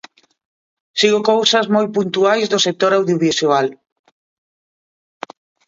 Sigo cousas moi puntuais do sector audiovisual.